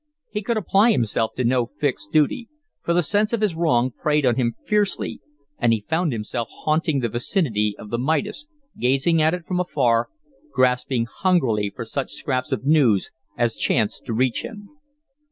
He could apply himself to no fixed duty, for the sense of his wrong preyed on him fiercely, and he found himself haunting the vicinity of the Midas, gazing at it from afar, grasping hungrily for such scraps of news as chanced to reach him.